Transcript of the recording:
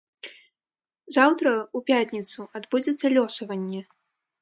Заўтра, у пятніцу, адбудзецца лёсаванне.